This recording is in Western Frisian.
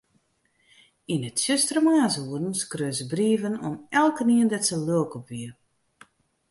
Yn 'e tsjustere moarnsoeren skreau se brieven oan elkenien dêr't se lilk op wie.